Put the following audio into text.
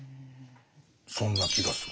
そんな気がする。